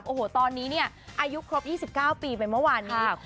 โอ้โหตอนนี้เนี่ยอายุครบ๒๙ปีไปเมื่อวานนี้